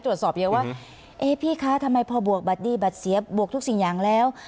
ตรวจสอบเยอะว่าเอ๊ะพี่คะทำไมพอบวกบัตรดีบัตรเสียบวกทุกสิ่งอย่างแล้ว